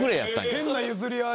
・変な譲り合い・